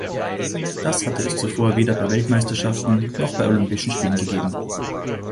Das hatte es zuvor weder bei Weltmeisterschaften noch bei Olympischen Spielen gegeben.